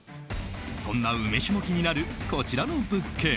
そんな梅酒も気になるこちらの物件。